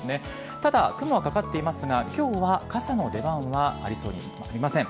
ただ、雲はかかっていますが今日は傘の出番はありません。